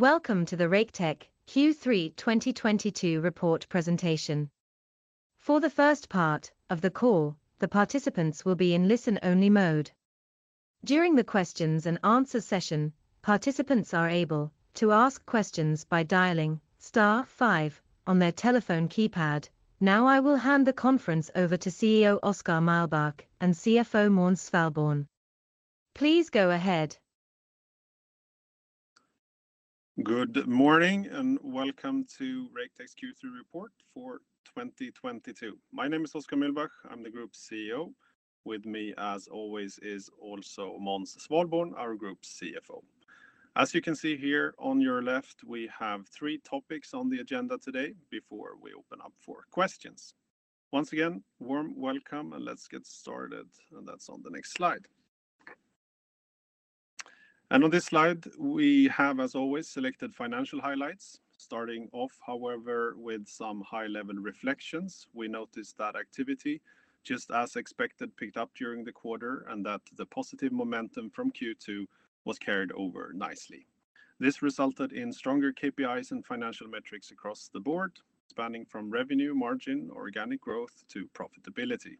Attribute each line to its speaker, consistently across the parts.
Speaker 1: Welcome to the Raketech Q3 2022 report presentation. For the first part of the call, the participants will be in listen-only mode. During the questions and answer session, participants are able to ask questions by dialing star five on their telephone keypad. Now, I will hand the conference over to CEO Oskar Mühlbach and CFO Måns Svalborn. Please go ahead.
Speaker 2: Good morning and welcome to Raketech's Q3 report for 2022. My name is Oskar Mühlbach. I'm the Group CEO. With me as always is also Måns Svalborn, our Group CFO. As you can see here on your left, we have three topics on the agenda today before we open up for questions. Once again, warm welcome, and let's get started, and that's on the next slide. On this slide, we have, as always, selected financial highlights starting off, however, with some high-level reflections. We noticed that activity, just as expected, picked up during the quarter, and that the positive momentum from Q2 was carried over nicely. This resulted in stronger KPIs and financial metrics across the board, spanning from revenue margin, organic growth to profitability.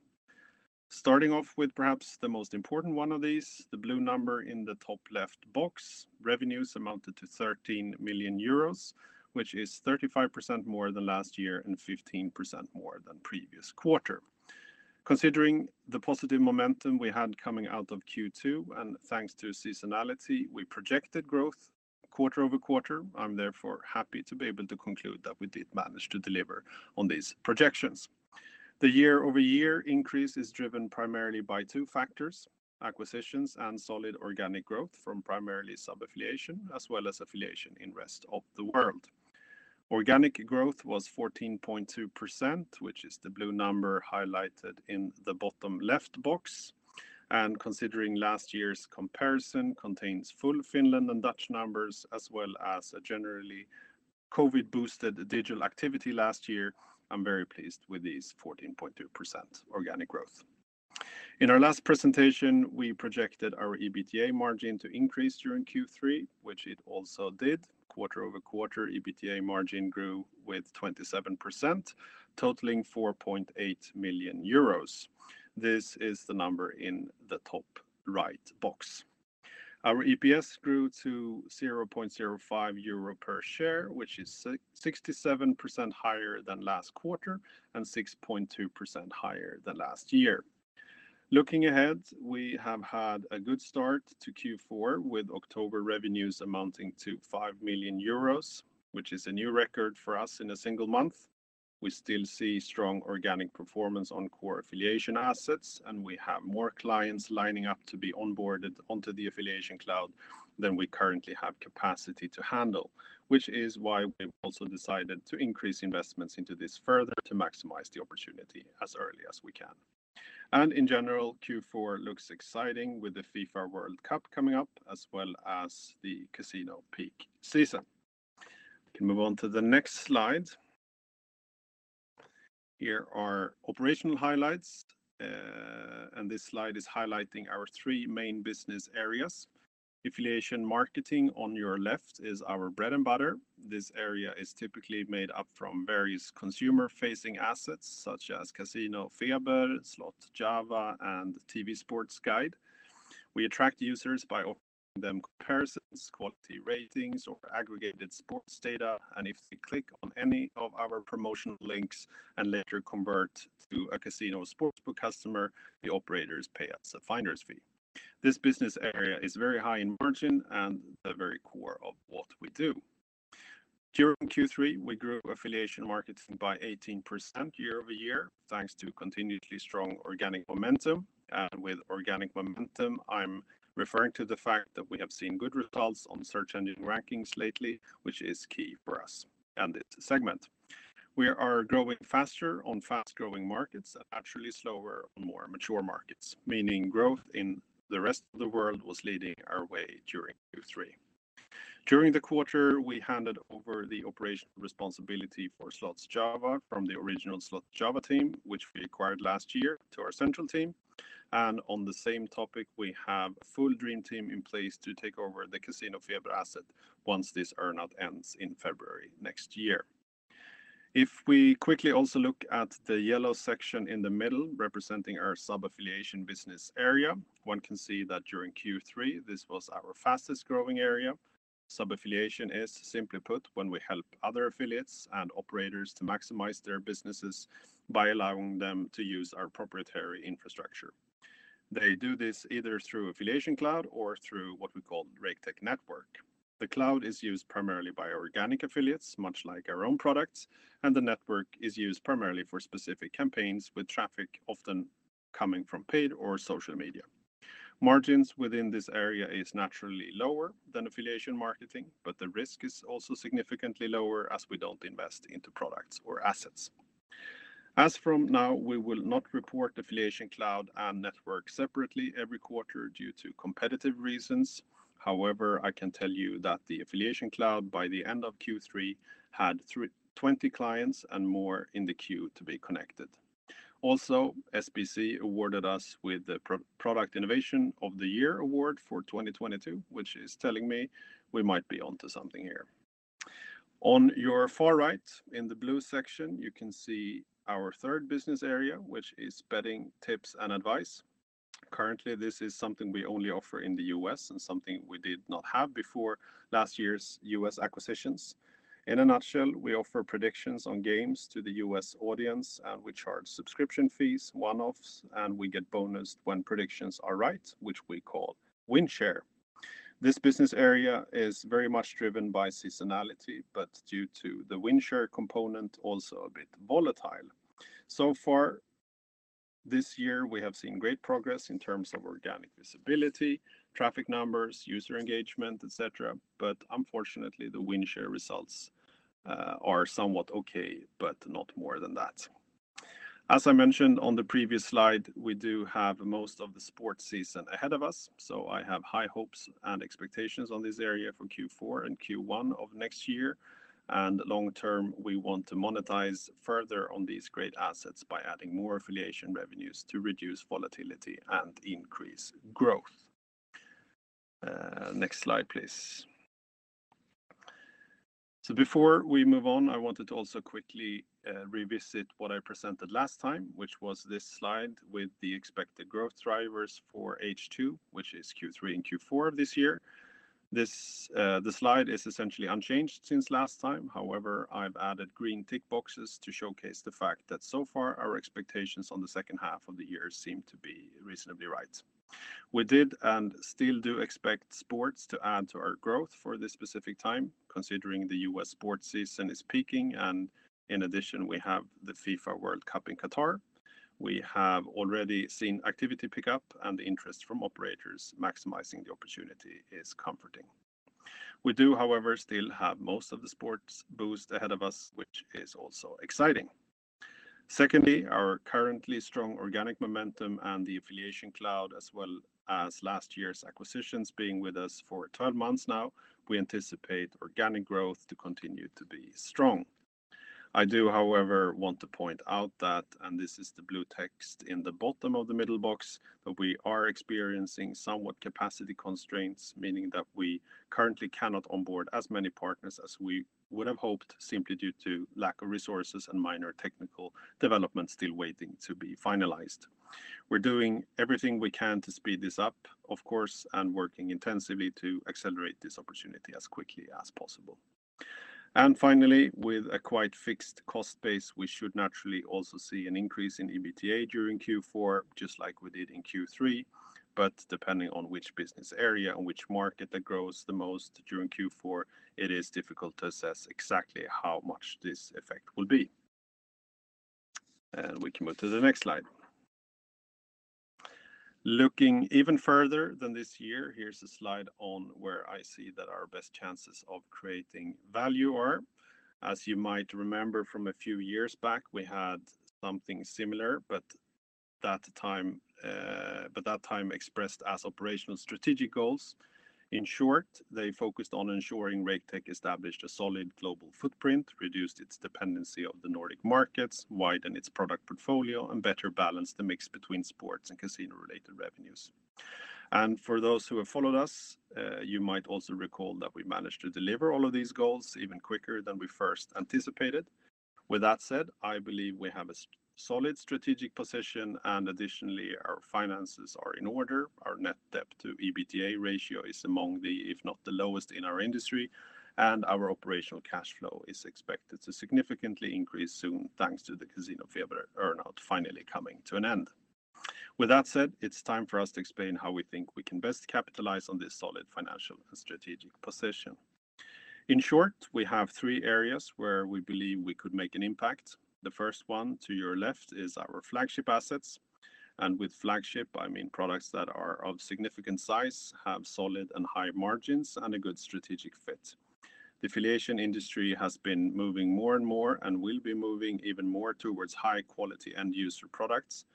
Speaker 2: Starting off with perhaps the most important one of these, the blue number in the top left box, revenues amounted to 13 million euros, which is 35% more than last year and 15% more than previous quarter. Considering the positive momentum we had coming out of Q2, and thanks to seasonality, we projected growth quarter-over-quarter. I'm therefore happy to be able to conclude that we did manage to deliver on these projections. The year-over-year increase is driven primarily by two factors, acquisitions and solid organic growth from primarily Sub-affiliation as well as affiliation in rest of the world. Organic growth was 14.2%, which is the blue number highlighted in the bottom left box. Considering last year's comparison contains full Finland and Dutch numbers as well as a generally COVID-boosted digital activity last year, I'm very pleased with this 14.2% organic growth. In our last presentation, we projected our EBITDA margin to increase during Q3, which it also did. Quarter-over-quarter, EBITDA margin grew with 27%, totaling 4.8 million euros. This is the number in the top right box. Our EPS grew to 0.05 euro per share, which is sixty-seven percent higher than last quarter and 6.2% higher than last year. Looking ahead, we have had a good start to Q4 with October revenues amounting to 5 million euros, which is a new record for us in a single month. We still see strong organic performance on core affiliate assets, and we have more clients lining up to be onboarded onto the AffiliationCloud than we currently have capacity to handle, which is why we've also decided to increase investments into this further to maximize the opportunity as early as we can. In general, Q4 looks exciting with the FIFA World Cup coming up as well as the casino peak season. We can move on to the next slide. Here are operational highlights, and this slide is highlighting our three main business areas. Affiliate marketing, on your left, is our bread and butter. This area is typically made up from various consumer-facing assets, such as Slotjava, and TV Sports Guide. We attract users by offering them comparisons, quality ratings, or aggregated sports data, and if they click on any of our promotional links and later convert to a casino or sportsbook customer, the operators pay us a finder's fee. This business area is very high in margin and the very core of what we do. During Q3, we grew affiliation marketing by 18% year-over-year, thanks to continually strong organic momentum. With organic momentum, I'm referring to the fact that we have seen good results on search engine rankings lately, which is key for us and its segment. We are growing faster on fast-growing markets and actually slower on more mature markets, meaning growth in the rest of the world was leading our way during Q3. During the quarter, we handed over the operational responsibility Slotjava from the Slotjava team, which we acquired last year, to our central team. On the same topic, we have a full dream team in place to take over the CasinoFeber asset once this earn-out ends in February next year. If we quickly also look at the yellow section in the middle representing our Sub-affiliation business area, one can see that during Q3, this was our fastest-growing area. Sub-affiliation is simply put when we help other affiliates and operators to maximize their businesses by allowing them to use our proprietary infrastructure. They do this either through AffiliationCloud or through what we call Raketech Network. The cloud is used primarily by organic affiliates, much like our own products, and the network is used primarily for specific campaigns with traffic often coming from paid or social media. Margins within this area are naturally lower than affiliate marketing, but the risk is also significantly lower as we don't invest into products or assets. As from now, we will not report AffiliationCloud and Network separately every quarter due to competitive reasons. However, I can tell you that the AffiliationCloud, by the end of Q3, had 20 clients and more in the queue to be connected. Also, SBC awarded us with the Product Innovation of the Year award for 2022, which is telling me we might be onto something here. On your far right in the blue section, you can see our third business area, which is betting tips and advice. Currently, this is something we only offer in the U.S. and something we did not have before last year's U.S. acquisitions. In a nutshell, we offer predictions on games to the U.S. audience, and we charge subscription fees, one-offs, and we get bonused when predictions are right, which we call win share. This business area is very much driven by seasonality, but due to the win share component, also a bit volatile. So far this year, we have seen great progress in terms of organic visibility, traffic numbers, user engagement, et cetera, but unfortunately, the win share results are somewhat okay, but not more than that. As I mentioned on the previous slide, we do have most of the sports season ahead of us, so I have high hopes and expectations on this area for Q4 and Q1 of next year. Long-term, we want to monetize further on these great assets by adding more affiliation revenues to reduce volatility and increase growth. Next slide, please. Before we move on, I wanted to also quickly revisit what I presented last time, which was this slide with the expected growth drivers for H2, which is Q3 and Q4 of this year. This slide is essentially unchanged since last time. However, I've added green tick boxes to showcase the fact that so far our expectations on the second half of the year seem to be reasonably right. We did and still do expect sports to add to our growth for this specific time, considering the U.S. sports season is peaking, and in addition, we have the FIFA World Cup in Qatar. We have already seen activity pick up and interest from operators maximizing the opportunity is comforting. We do, however, still have most of the sports boost ahead of us, which is also exciting. Secondly, our currently strong organic momentum and the AffiliationCloud as well as last year's acquisitions being with us for 12 months now, we anticipate organic growth to continue to be strong. I do, however, want to point out that, and this is the blue text in the bottom of the middle box, that we are experiencing somewhat capacity constraints, meaning that we currently cannot onboard as many partners as we would have hoped simply due to lack of resources and minor technical development still waiting to be finalized. We're doing everything we can to speed this up, of course, and working intensively to accelerate this opportunity as quickly as possible. Finally, with a quite fixed cost base, we should naturally also see an increase in EBITDA during Q4, just like we did in Q3. Depending on which business area and which market that grows the most during Q4, it is difficult to assess exactly how much this effect will be. We can move to the next slide. Looking even further than this year, here's a slide on where I see that our best chances of creating value are. As you might remember from a few years back, we had something similar, but that time expressed as operational strategic goals. In short, they focused on ensuring Raketech established a solid global footprint, reduced its dependency of the Nordic markets, widened its product portfolio, and better balanced the mix between sports and casino-related revenues. For those who have followed us, you might also recall that we managed to deliver all of these goals even quicker than we first anticipated. With that said, I believe we have a solid strategic position, and additionally, our finances are in order. Our net debt to EBITDA ratio is among the, if not the lowest in our industry, and our operational cash flow is expected to significantly increase soon, thanks to the CasinoFeber earn-out finally coming to an end. With that said, it's time for us to explain how we think we can best capitalize on this solid financial and strategic position. In short, we have three areas where we believe we could make an impact. The first one to your left is our flagship assets, and with flagship, I mean products that are of significant size, have solid and high margins, and a good strategic fit. The affiliate industry has been moving more and more and will be moving even more towards high-quality end-user products.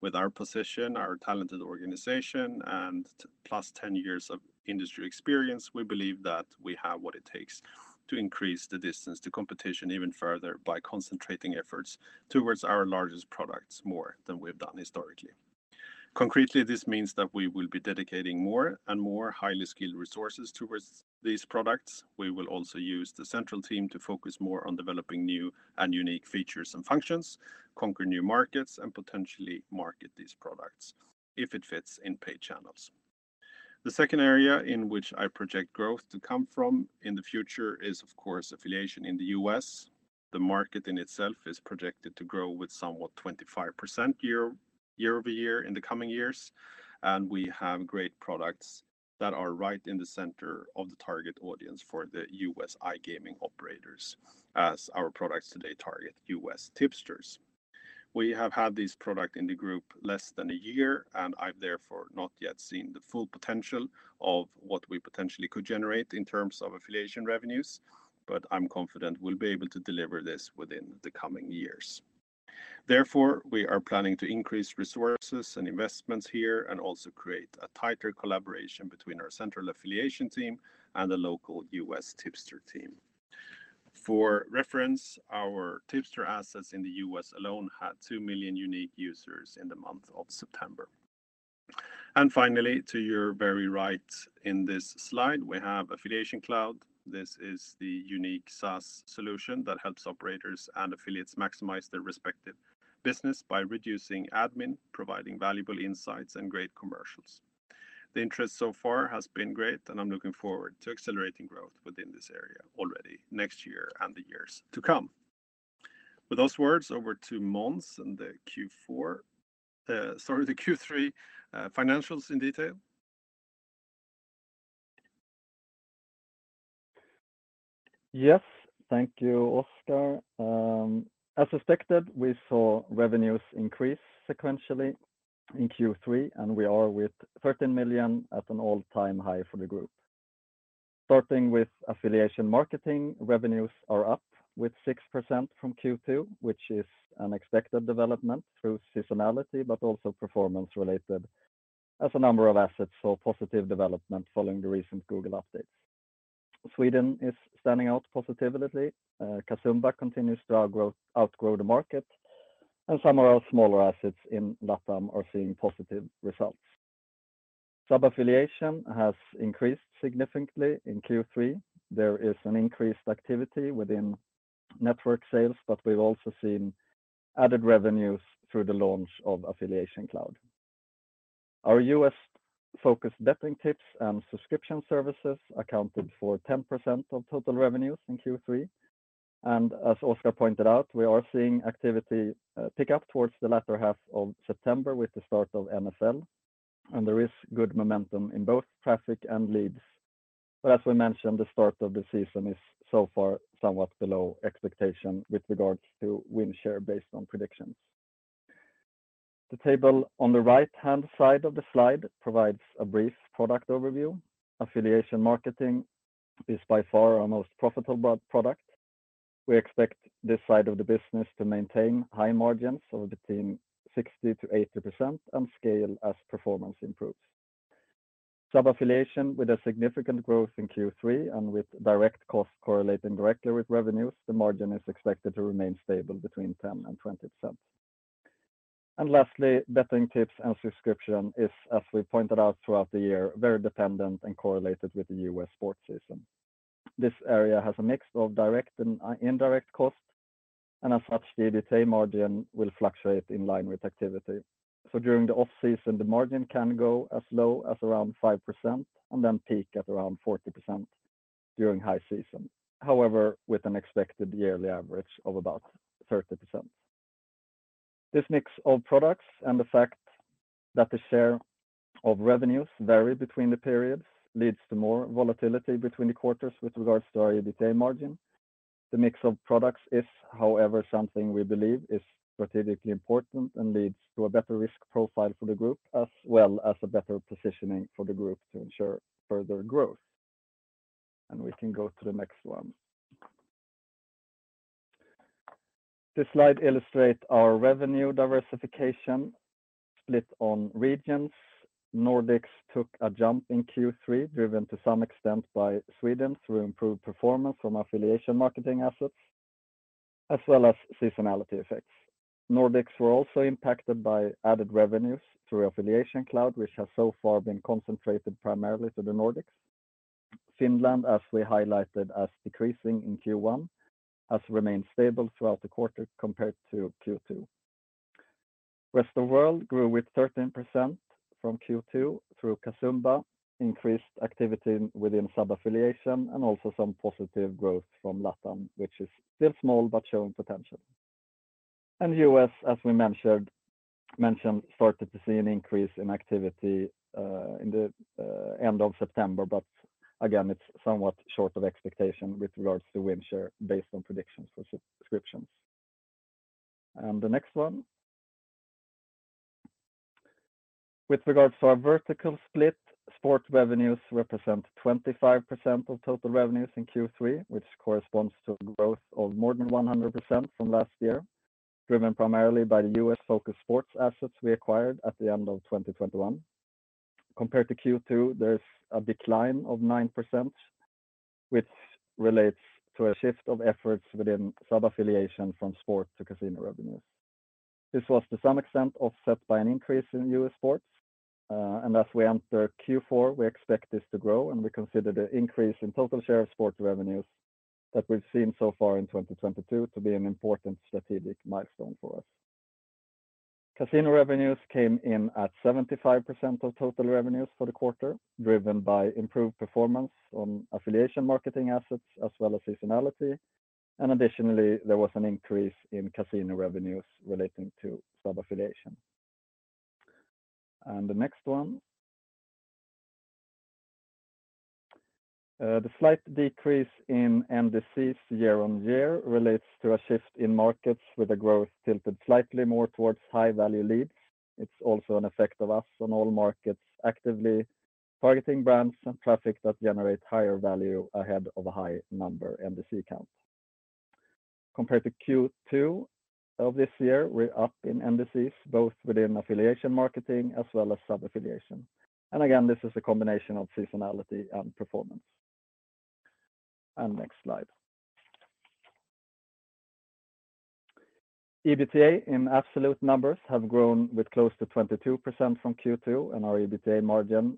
Speaker 2: With our position, our talented organization, and 10+ years of industry experience, we believe that we have what it takes to increase the distance to competition even further by concentrating efforts towards our largest products more than we've done historically. Concretely, this means that we will be dedicating more and more highly skilled resources towards these products. We will also use the central team to focus more on developing new and unique features and functions, conquer new markets, and potentially market these products if it fits in paid channels. The second area in which I project growth to come from in the future is, of course, affiliation in the U.S. The market in itself is projected to grow with somewhat 25% year-over-year in the coming years, and we have great products that are right in the center of the target audience for the U.S. iGaming Operators as our products today target U.S. tipsters. We have had this product in the group less than a year, and I've therefore not yet seen the full potential of what we potentially could generate in terms of affiliate revenues, but I'm confident we'll be able to deliver this within the coming years. Therefore, we are planning to increase resources and investments here and also create a tighter collaboration between our central affiliate team and the local U.S. tipster team. For reference, our tipster assets in the U.S. alone had 2 million unique users in the month of September. Finally, to your very right in this slide, we have AffiliationCloud. This is the unique SaaS solution that helps operators and affiliates maximize their respective business by reducing admin, providing valuable insights, and great commercials. The interest so far has been great, and I'm looking forward to accelerating growth within this area already next year and the years to come. With those words, over to Måns and the Q3 financials in detail.
Speaker 3: Yes. Thank you, Oskar. As suspected, we saw revenues increase sequentially in Q3, and we are with 13 million at an all-time high for the group. Starting with affiliation marketing, revenues are up with 6% from Q2, which is an expected development through seasonality, but also performance related as a number of assets saw positive development following the recent Google updates. Sweden is standing out positively. Casumba continues to outgrow the market, and some of our smaller assets in LATAM are seeing positive results. Sub-affiliation has increased significantly in Q3. There is an increased activity within network sales, but we've also seen added revenues through the launch of AffiliationCloud. Our U.S.-focused betting tips and subscription services accounted for 10% of total revenues in Q3. As Oskar pointed out, we are seeing activity pick up towards the latter half of September with the start of NFL, and there is good momentum in both traffic and leads. As we mentioned, the start of the season is so far somewhat below expectation with regards to win share based on predictions. The table on the right-hand side of the slide provides a brief product overview. Affiliate marketing is by far our most profitable product. We expect this side of the business to maintain high margins of between 60%-80% and scale as performance improves. Sub-affiliation with a significant growth in Q3 and with direct costs correlating directly with revenues, the margin is expected to remain stable between 10%-20%. Lastly, betting tips and subscription is, as we pointed out throughout the year, very dependent and correlated with the U.S. sports season. This area has a mix of direct and indirect costs, and as such, the EBITDA margin will fluctuate in line with activity. During the off-season, the margin can go as low as around 5% and then peak at around 40% during high season. However, with an expected yearly average of about 30%. This mix of products and the fact that the share of revenues vary between the periods leads to more volatility between the quarters with regards to our EBITDA margin. The mix of products is, however, something we believe is strategically important and leads to a better risk profile for the group, as well as a better positioning for the group to ensure further growth. We can go to the next one. This slide illustrate our revenue diversification split on regions. Nordics took a jump in Q3, driven to some extent by Sweden through improved performance from affiliation marketing assets, as well as seasonality effects. Nordics were also impacted by added revenues through AffiliationCloud, which has so far been concentrated primarily to the Nordics. Finland, as we highlighted, as decreasing in Q1, has remained stable throughout the quarter compared to Q2. Rest of World grew with 13% from Q2 through Casumba, increased activity within Sub-affiliation, and also some positive growth from LATAM, which is still small but showing potential. U.S., as we mentioned, started to see an increase in activity in the end of September, but again, it's somewhat short of expectation with regards to win share based on predictions for subscriptions. The next one. With regards to our vertical split, sports revenues represent 25% of total revenues in Q3, which corresponds to a growth of more than 100% from last year, driven primarily by the U.S.-focused sports assets we acquired at the end of 2021. Compared to Q2, there's a decline of 9%, which relates to a shift of efforts within Sub-affiliation from sports to casino revenues. This was to some extent offset by an increase in U.S. sports, and as we enter Q4, we expect this to grow, and we consider the increase in total share of sports revenues that we've seen so far in 2022 to be an important strategic milestone for us. Casino revenues came in at 75% of total revenues for the quarter, driven by improved performance on affiliate marketing assets as well as seasonality. Additionally, there was an increase in casino revenues relating to Sub-affiliation. The next one. The slight decrease in NDCs year-over-year relates to a shift in markets with a growth tilted slightly more towards high-value leads. It's also an effect of us on all markets actively targeting brands and traffic that generate higher value ahead of a high number NDC count. Compared to Q2 of this year, we're up in NDCs, both within affiliation marketing as well as Sub-affiliation. Again, this is a combination of seasonality and performance. Next slide. EBITDA in absolute numbers have grown with close to 22% from Q2, and our EBITDA margin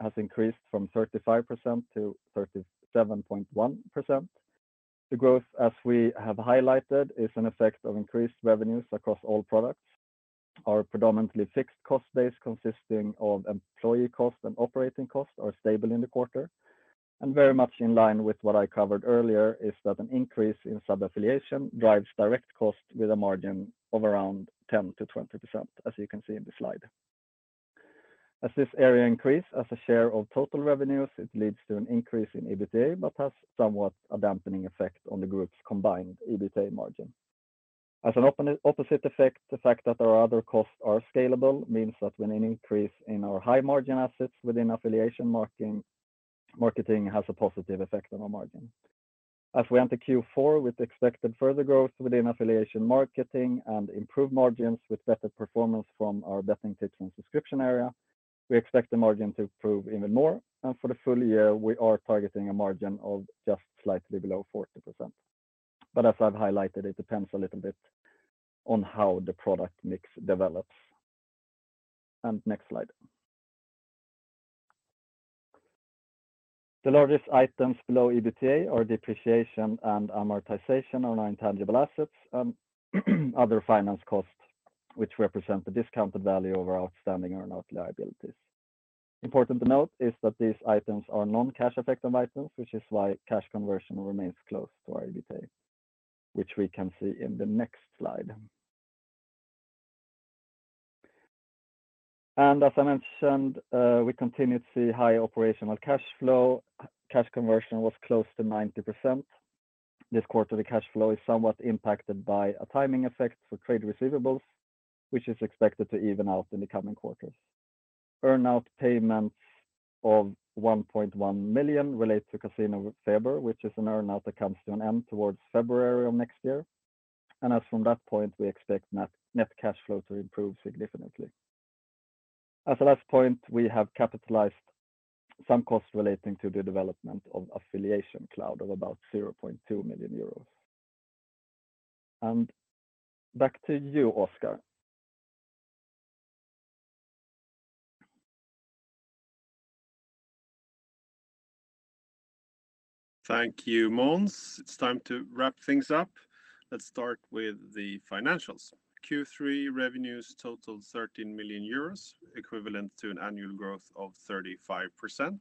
Speaker 3: has increased from 35% to 37.1%. The growth, as we have highlighted, is an effect of increased revenues across all products. Our predominantly fixed cost base consisting of employee costs and operating costs are stable in the quarter, and very much in line with what I covered earlier is that an increase in Sub-affiliation drives direct costs with a margin of around 10%-20%, as you can see in the slide. As this area increase as a share of total revenues, it leads to an increase in EBITDA, but has somewhat a dampening effect on the group's combined EBITDA margin. As an opposite effect, the fact that our other costs are scalable means that when an increase in our high margin assets within affiliate marketing has a positive effect on our margin. As we enter Q4 with expected further growth within affiliate marketing and improved margins with better performance from our betting tips and subscription area, we expect the margin to improve even more, and for the full year, we are targeting a margin of just slightly below 40%. As I've highlighted, it depends a little bit on how the product mix develops. Next slide. The largest items below EBITDA are depreciation and amortization on intangible assets, other finance costs, which represent the discounted value of our outstanding earnout liabilities. Important to note is that these items are non-cash items, which is why cash conversion remains close to our EBITDA, which we can see in the next slide. As I mentioned, we continue to see high operational cash flow. Cash conversion was close to 90%. This quarter, the cash flow is somewhat impacted by a timing effect for trade receivables, which is expected to even out in the coming quarters. Earnout payments of 1.1 million relate to CasinoFeber, which is an earnout that comes to an end towards February of next year. As from that point, we expect net cash flow to improve significantly. As a last point, we have capitalized some costs relating to the development of AffiliationCloud of about 0.2 million euros. Back to you, Oskar.
Speaker 2: Thank you, Måns. It's time to wrap things up. Let's start with the financials. Q3 revenues totaled 13 million euros, equivalent to an annual growth of 35%.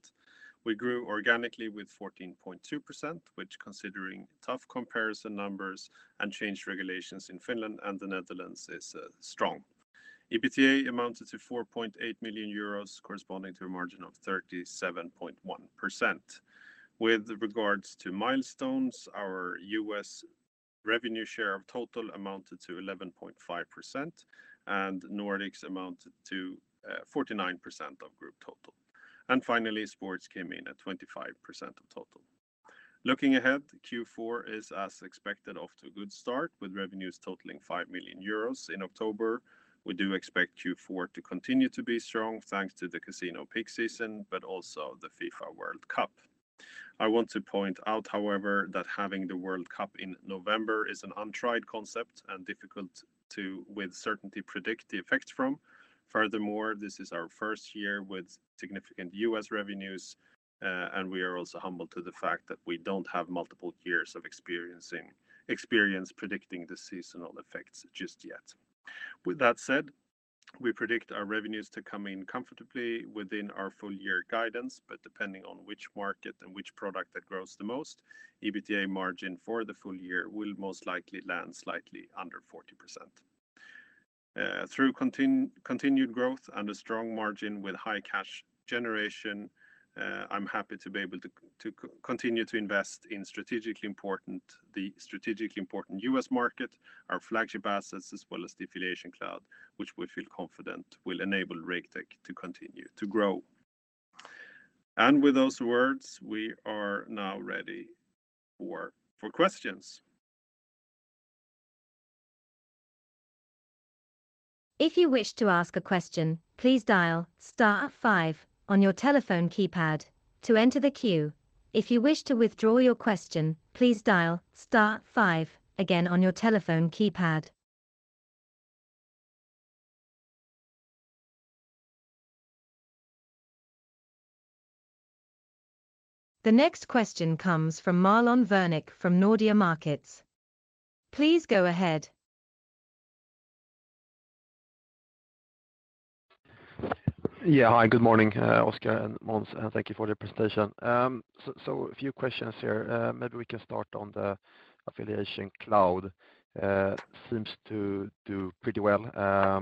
Speaker 2: We grew organically with 14.2%, which considering tough comparison numbers and changed regulations in Finland and the Netherlands is strong. EBITDA amounted to 4.8 million euros, corresponding to a margin of 37.1%. With regards to milestones, our U.S. revenue share of total amounted to 11.5%, and Nordics amounted to 49% of group total. Finally, sports came in at 25% of total. Looking ahead, Q4 is, as expected, off to a good start with revenues totaling 5 million euros in October. We do expect Q4 to continue to be strong, thanks to the casino peak season, but also the FIFA World Cup. I want to point out, however, that having the World Cup in November is an untried concept and difficult to, with certainty, predict the effects from. Furthermore, this is our first year with significant U.S. revenues, and we are also humble to the fact that we don't have multiple years of experience predicting the seasonal effects just yet. With that said, we predict our revenues to come in comfortably within our full year guidance, but depending on which market and which product that grows the most, EBITDA margin for the full year will most likely land slightly under 40%. Through continued growth and a strong margin with high cash generation, I'm happy to be able to continue to invest in the strategically important U.S. market, our flagship assets, as well as the AffiliationCloud, which we feel confident will enable Raketech to continue to grow. With those words, we are now ready for questions.
Speaker 1: If you wish to ask a question, please dial star five on your telephone keypad to enter the queue. If you wish to withdraw your question, please dial star five again on your telephone keypad. The next question comes from Marlon Värnik from Nordea Markets. Please go ahead.
Speaker 4: Yeah. Hi, good morning, Oskar and Måns, and thank you for your presentation. A few questions here. Maybe we can start on the AffiliationCloud. Seems to do pretty well,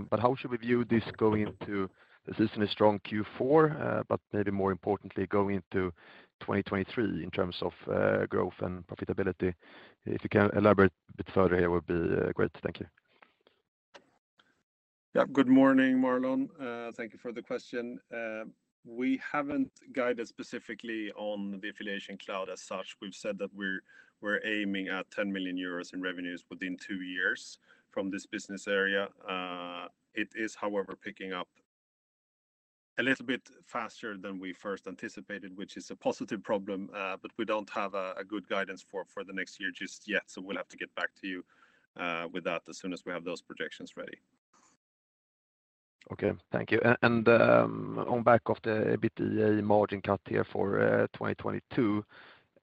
Speaker 4: but how should we view this going into the seemingly strong Q4, but maybe more importantly, going into 2023 in terms of growth and profitability? If you can elaborate a bit further, it would be great. Thank you.
Speaker 2: Yeah. Good morning, Marlon. Thank you for the question. We haven't guided specifically on the AffiliationCloud as such. We've said that we're aiming at 10 million euros in revenues within two years from this business area. It is, however, picking up a little bit faster than we first anticipated, which is a positive problem. But we don't have a good guidance for the next year just yet, so we'll have to get back to you with that as soon as we have those projections ready.
Speaker 4: Okay. Thank you. On back of the EBITDA margin cut here for 2022,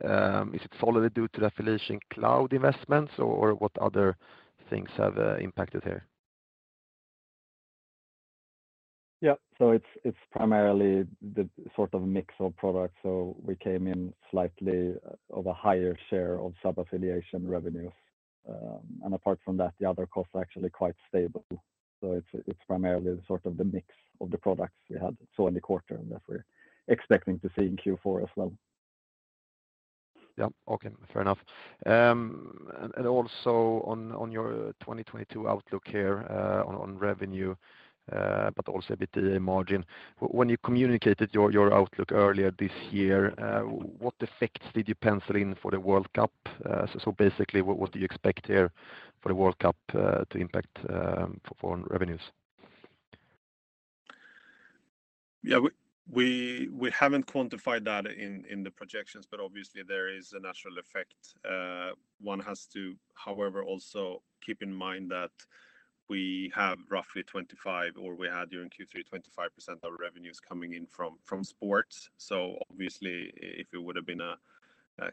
Speaker 4: is it solely due to the AffiliationCloud investments or what other things have impacted here?
Speaker 3: Yeah. It's primarily the sort of mix of products. We came in slightly with a higher share of Sub-affiliation revenues. And apart from that, the other costs are actually quite stable. It's primarily the sort of mix of the products we had in the quarter, and that we're expecting to see in Q4 as well.
Speaker 4: Yeah. Okay. Fair enough. Also on your 2022 outlook here, on revenue, but also a bit the margin, when you communicated your outlook earlier this year, what effects did you pencil in for the World Cup? Basically what do you expect here for the World Cup to impact for revenues?
Speaker 2: Yeah. We haven't quantified that in the projections, but obviously there is a natural effect. One has to, however, also keep in mind that we have roughly 25%, or we had during Q3, 25% of our revenues coming in from sports. Obviously if it would've been a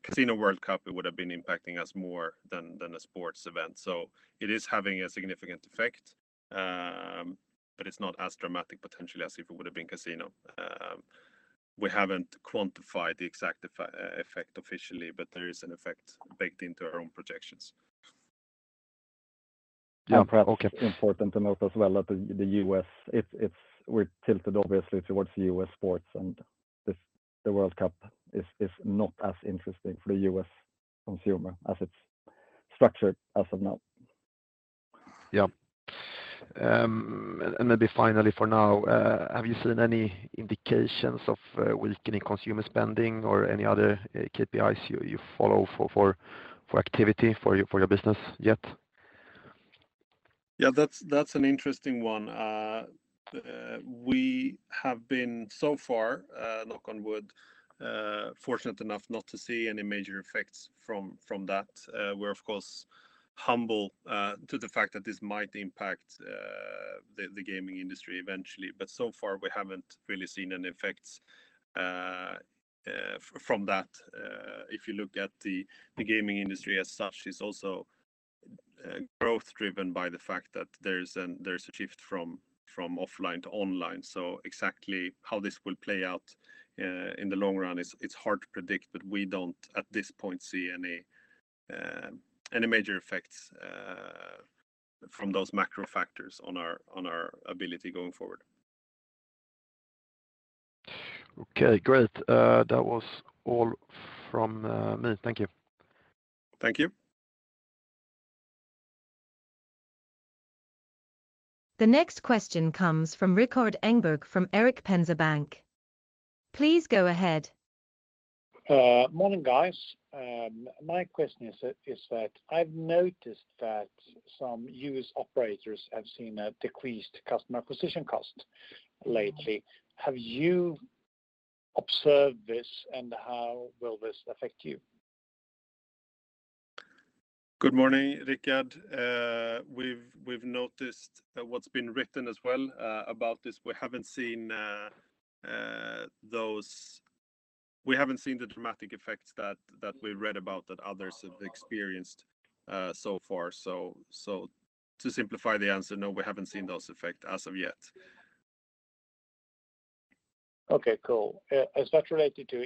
Speaker 2: casino World Cup, it would've been impacting us more than a sports event. It is having a significant effect, but it's not as dramatic potentially as if it would've been casino. We haven't quantified the exact effect officially, but there is an effect baked into our own projections.
Speaker 4: Yeah. Okay.
Speaker 3: Perhaps important to note as well that the U.S., we're tilted obviously towards the U.S. sports and this, the World Cup is not as interesting for the U.S. consumer as it's structured as of now.
Speaker 4: Yeah. Maybe finally for now, have you seen any indications of weakening consumer spending or any other KPIs you follow for activity for your business yet?
Speaker 2: Yeah, that's an interesting one. We have been so far, knock on wood, fortunate enough not to see any major effects from that. We're of course humble to the fact that this might impact the gaming industry eventually, but so far we haven't really seen any effects from that. If you look at the gaming industry as such, it's also growth driven by the fact that there's a shift from offline to online. Exactly how this will play out in the long run, it's hard to predict, but we don't at this point see any major effects from those macro factors on our ability going forward.
Speaker 4: Okay, great. That was all from me. Thank you.
Speaker 2: Thank you.
Speaker 1: The next question comes from Rikard Engberg from Erik Penser Bank. Please go ahead.
Speaker 5: Morning, guys. My question is that I've noticed that some U.S. operators have seen a decreased customer acquisition cost lately. Have you observed this, and how will this affect you?
Speaker 2: Good morning, Rikard. We've noticed what's been written as well about this. We haven't seen the dramatic effects that we read about that others have experienced so far. To simplify the answer, no, we haven't seen those effects as of yet.
Speaker 5: Okay, cool. Is that related to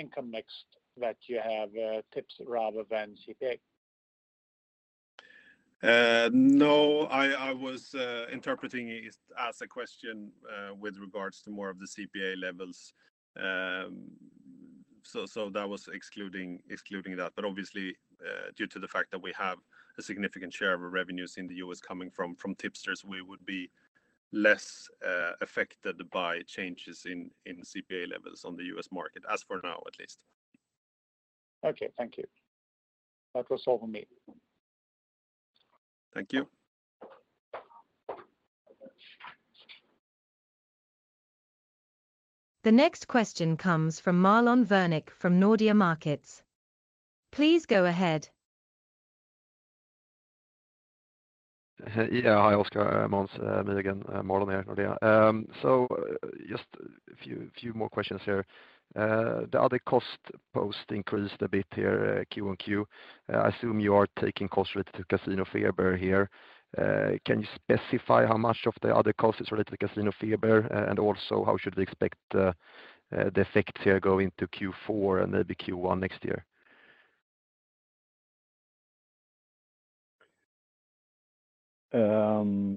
Speaker 5: income mix that you have, tips rather than CPA?
Speaker 2: No, I was interpreting it as a question with regards to more of the CPA levels. That was excluding that. Obviously, due to the fact that we have a significant share of our revenues in the U.S. coming from tipsters, we would be less affected by changes in CPA levels on the U.S. market, as for now at least.
Speaker 5: Okay. Thank you. That was all for me.
Speaker 2: Thank you.
Speaker 1: The next question comes from Marlon Värnik from Nordea Markets. Please go ahead.
Speaker 4: Yeah. Hi, Oskar, Måns. Me again, Marlon here at Nordea. So just a few more questions here. The other cost post increased a bit here, Q-on-Q. I assume you are taking costs related to CasinoFeber here. Can you specify how much of the other costs is related to CasinoFeber? And also, how should we expect the effect here going to Q4 and maybe Q1 next year?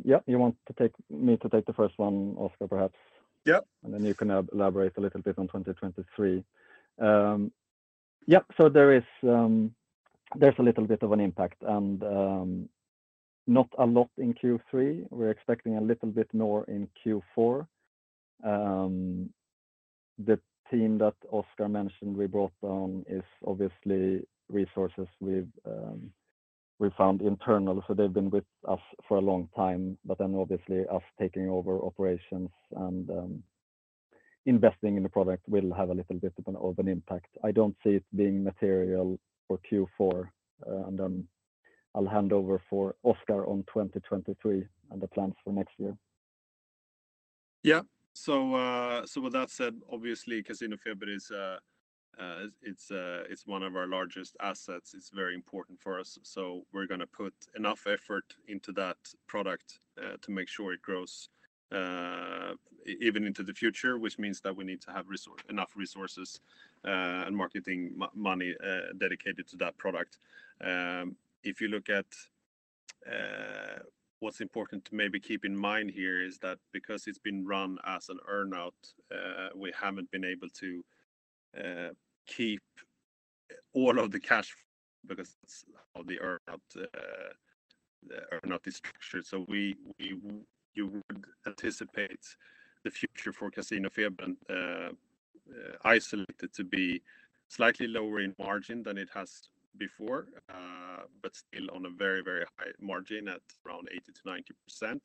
Speaker 3: Yeah. You want me to take the first one, Oskar, perhaps?
Speaker 2: Yeah.
Speaker 3: You can elaborate a little bit on 2023. There is, there's a little bit of an impact and, not a lot in Q3. We're expecting a little bit more in Q4. The team that Oskar mentioned we brought on is obviously resources we've found internal, so they've been with us for a long time. Obviously us taking over operations and investing in the product will have a little bit of an impact. I don't see it being material for Q4, and then I'll hand over to Oskar on 2023 and the plans for next year.
Speaker 2: Yeah. With that said, obviously CasinoFeber is one of our largest assets. It's very important for us, so we're gonna put enough effort into that product to make sure it grows even into the future, which means that we need to have enough resources and marketing money dedicated to that product. If you look at what's important to maybe keep in mind here is that because it's been run as an earnout, we haven't been able to keep all of the cash because that's how the earn-out is structured. You would anticipate the future for CasinoFeber and isolated to be slightly lower in margin than it has before, but still on a very, very high margin at around 80%-90%,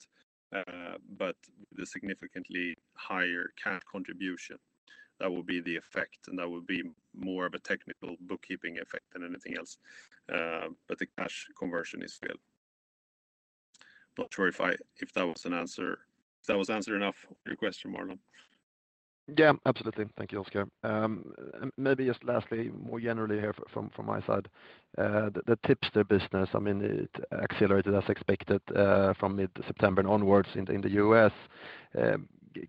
Speaker 2: but with a significantly higher cash contribution. That will be the effect, and that will be more of a technical bookkeeping effect than anything else. Not sure if that was an answer enough for your question, Marlon.
Speaker 4: Yeah, absolutely. Thank you, Oskar. Maybe just lastly, more generally here from my side, the Tipster business, I mean, it accelerated as expected from mid-September onwards in the U.S.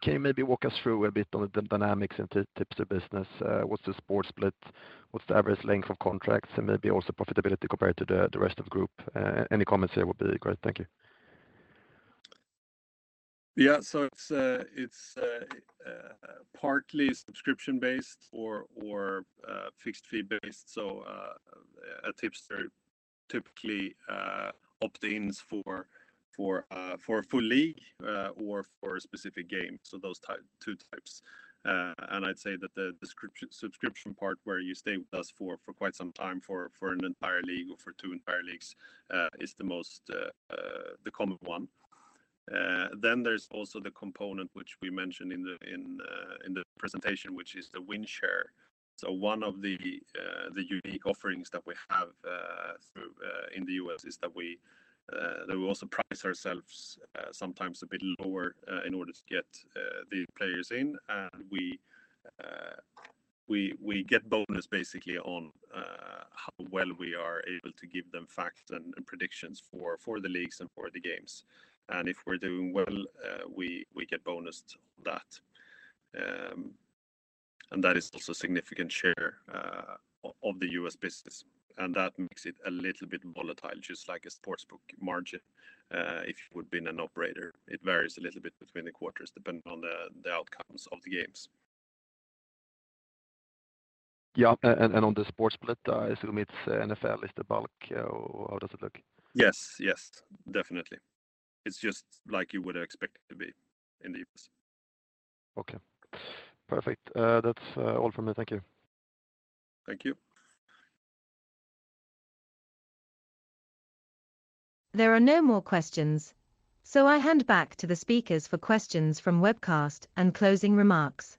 Speaker 4: Can you maybe walk us through a bit on the dynamics in tipster business? What's the sport split? What's the average length of contracts? And maybe also profitability compared to the rest of group. Any comments there would be great. Thank you.
Speaker 2: It's partly subscription-based or fixed fee based. A tipster typically opts in for a full league or for a specific game. Those two types. I'd say that the subscription part where you stay with us for quite some time for an entire league or for two entire leagues is the most common one. There's also the component which we mentioned in the presentation, which is the win share. One of the unique offerings that we have in the U.S. is that we also price ourselves sometimes a bit lower in order to get the players in. We get bonus basically on how well we are able to give them facts and predictions for the leagues and for the games. If we're doing well, we get bonused that. That is also a significant share of the US business, and that makes it a little bit volatile, just like a sportsbook margin, if you would be in an operator. It varies a little bit between the quarters depending on the outcomes of the games.
Speaker 4: Yeah. On the sports split, I assume it's NFL is the bulk. How does it look?
Speaker 2: Yes, yes, definitely. It's just like you would expect it to be in the U.S.
Speaker 4: Okay, perfect. That's all from me. Thank you.
Speaker 2: Thank you.
Speaker 1: There are no more questions, so I hand back to the speakers for questions from webcast and closing remarks.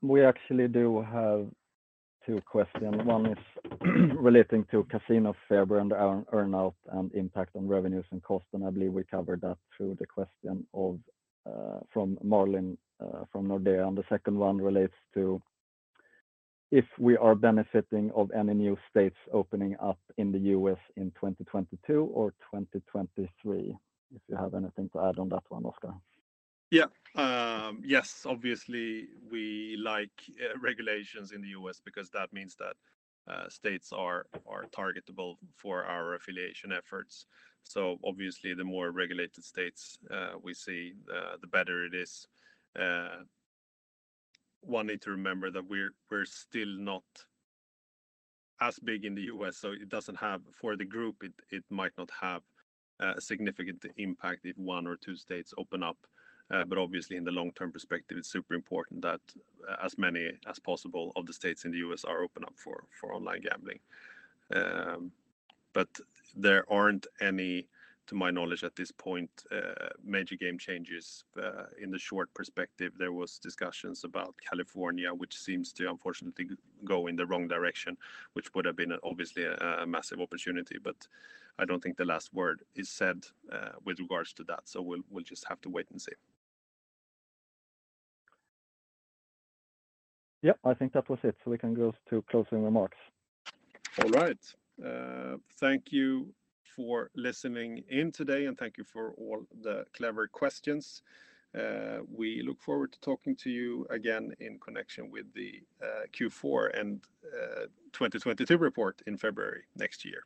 Speaker 3: We actually do have two questions. One is relating to CasinoFeber and earn-out and impact on revenues and cost, and I believe we covered that through the question from Marlon Värnik from Nordea. The second one relates to if we are benefiting from any new states opening up in the U.S. in 2022 or 2023. If you have anything to add on that one, Oskar.
Speaker 2: Yeah. Yes, obviously we like regulations in the U.S. because that means that states are targetable for our affiliation efforts. Obviously the more regulated states we see, the better it is. One need to remember that we're still not as big in the U.S., so for the group, it might not have a significant impact if one or two states open up. Obviously in the long-term perspective, it's super important that as many as possible of the states in the U.S. are open up for online gambling. There aren't any, to my knowledge at this point, major game changers in the short perspective. There was discussions about California, which seems to unfortunately go in the wrong direction, which would have been obviously a massive opportunity. I don't think the last word is said with regards to that. We'll just have to wait and see.
Speaker 3: Yeah, I think that was it. We can go to closing remarks.
Speaker 2: All right. Thank you for listening in today, and thank you for all the clever questions. We look forward to talking to you again in connection with the Q4 and 2022 report in February next year.